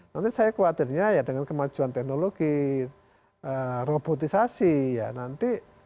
nanti saya khawatirnya ya dengan kemajuan teknologi robotisasi ya nanti